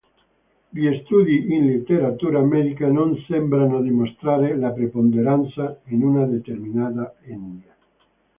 Gli studi in letteratura medica non sembrano dimostrare la preponderanza in una determinata etnia.